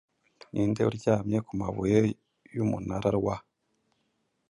Ninde, uryamye ku mabuye yumunara wa